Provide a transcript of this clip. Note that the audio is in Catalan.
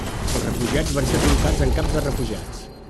Els refugiats van ser col·locats en camps de refugiats.